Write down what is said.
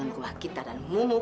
kenal kenal dia